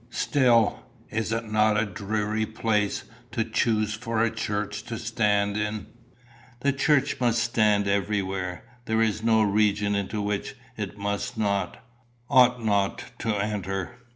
'" "Still, is it not a dreary place to choose for a church to stand in?" "The church must stand everywhere. There is no region into which it must not, ought not to enter.